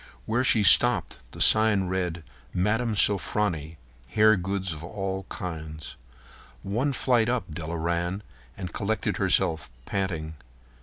Where she stopped the sign read: "Mme. Sofronie. Hair Goods of All Kinds." One flight up Della ran, and collected herself, panting.